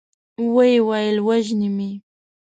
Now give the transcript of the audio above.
ويې ويل: وژني مې؟